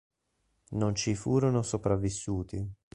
Non ci furono sopravvissuti.